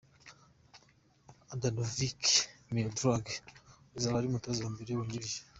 Adanavic Miodrag uzaba ari umutoza wa mbere wungirije .